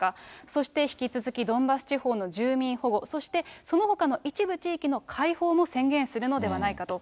そして引き続き、ドンバス地方の住民保護、そしてそのほかの一部地域の解放も宣言するのではないかと。